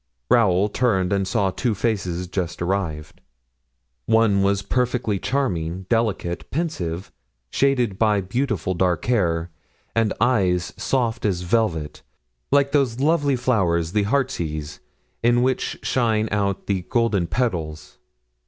Raoul turned and saw two faces just arrived. One was perfectly charming, delicate, pensive, shaded by beautiful dark hair, and eyes soft as velvet, like those lovely flowers, the heartsease, in which shine out the golden petals.